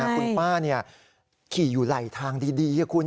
คุณป้าขี่อยู่ไหลทางดีคุณ